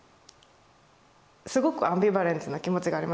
すごくアンビバレンスな気持ちがありました。